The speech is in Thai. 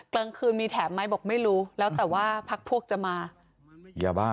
กลางคืนมีแถมไหมบอกไม่รู้แล้วแต่ว่าพักพวกจะมายาบ้า